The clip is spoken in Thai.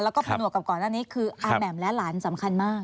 แล้วก็ผนวกกับก่อนหน้านี้คืออาแหม่มและหลานสำคัญมาก